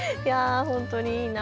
本当にいいな。